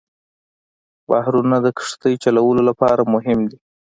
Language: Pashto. بحرونه د کښتۍ چلولو لپاره مهم دي.